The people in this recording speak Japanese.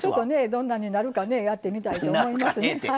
どんなんになるかやってみたいと思います。